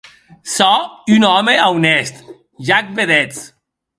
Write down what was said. Sò un òme aunèst, ja ac vedetz.